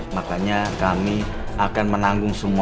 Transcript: makanya kami akan menanggung semua